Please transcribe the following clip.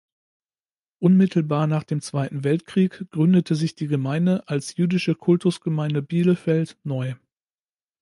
Unmittelbar nach dem Zweiten Weltkrieg gründete sich die Gemeinde als "„Jüdische Kultusgemeinde Bielefeld“" neu.